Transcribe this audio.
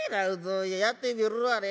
やってみるわね